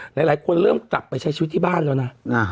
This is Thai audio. หลายคนเริ่มกลับไปใช้ชีวิตที่บ้านแล้วนะ